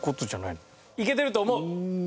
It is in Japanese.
いけてると思う！